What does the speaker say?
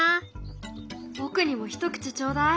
僕にも一口ちょうだい。